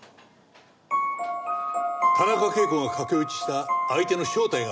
田中啓子が駆け落ちした相手の正体がわかった。